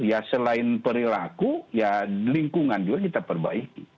ya selain perilaku ya lingkungan juga kita perbaiki